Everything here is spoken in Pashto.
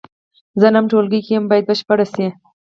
زه نهم ټولګي کې یم باید بشپړ شي.